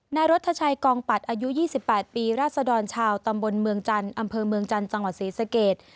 นายรัฐชัยกองปัดอายุ๒๘ปีราศดรชาวตำบลเมืองจันทร์อำเภอเมืองจันทร์จังหวัดศรีสเกต